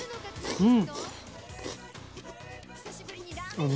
うん！